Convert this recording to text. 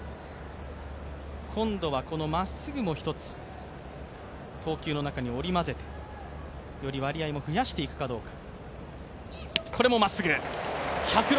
今度はこのまっすぐも１つ投球の中に織り交ぜてより割合も増やしていくかどうか。